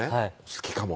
「好きかも」